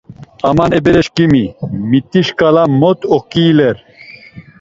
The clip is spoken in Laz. Aman e bereşǩimi, mitişǩala mot oǩiiler.